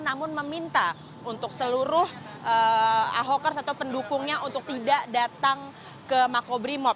namun meminta untuk seluruh ahokers atau pendukungnya untuk tidak datang ke makobrimob